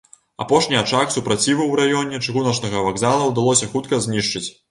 Апошні ачаг супраціву ў раёне чыгуначнага вакзала ўдалося хутка знішчыць.